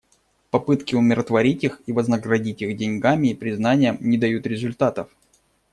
Попытки умиротворить их и вознаградить их деньгами и признанием не дают результатов.